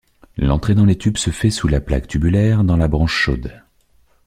L'entrée dans les tubes se fait sous la plaque tubulaire, dans la branche chaude.